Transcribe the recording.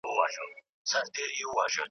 او په ژمي اورېدلې سختي واوري .